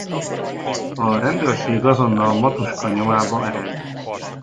A rendőrség azonnal Matuska nyomába ered.